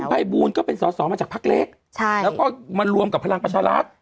คุณภัยบูลก็เป็นสอมาจากพักเล็กแล้วก็มารวมกับพลังปัชฌาลักษณ์